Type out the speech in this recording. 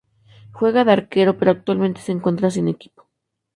Juega de arquero, pero actualmente se encuentra sin equipo.